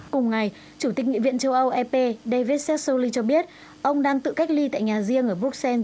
cùng ngày chủ tịch nghị viện châu âu ep david set soli cho biết ông đang tự cách ly tại nhà riêng ở bruxelles